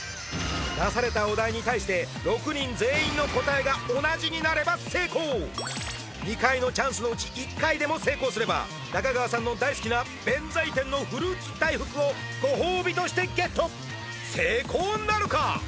出されたお題に対して６人全員の答えが同じになれば成功２回のチャンスのうち１回でも成功すれば中川さんの大好きな弁才天のフルーツ大福をご褒美としてゲット成功なるか？